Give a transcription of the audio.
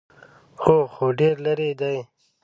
_هو، خو ډېر ليرې دی.